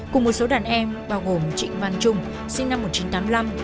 cùng một số đàn em bao gồm trịnh văn trung sinh năm một nghìn chín trăm tám mươi năm